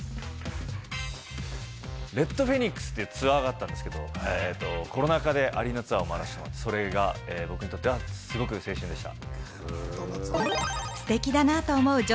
レッドフェニックスというツアーがあったんですけれども、コロナ禍でアリーナツアー、それが僕にとってはすごく青春でした。